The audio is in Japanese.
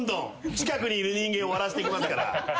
近くにいる人間を割らせていきますから。